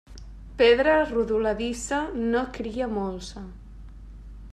Pedra rodoladissa no cria molsa.